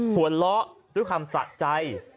หัวเราะด้วยความสะใจ